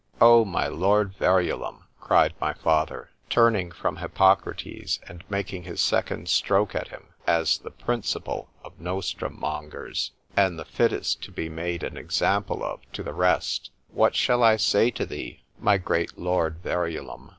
——O my lord Verulam! cried my father, turning from Hippocrates, and making his second stroke at him, as the principal of nostrum mongers, and the fittest to be made an example of to the rest,—What shall I say to thee, my great lord _Verulam?